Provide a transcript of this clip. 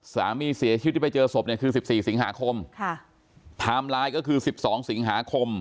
สามีเสียชีวิตที่ไปเจอศพเนี่ยคือสิบสี่สิงหาคมค่ะไทม์ไลน์ก็คือสิบสองสิงหาคม